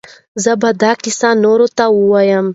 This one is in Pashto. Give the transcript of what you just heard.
زه به دا کیسه نورو ته ووایم.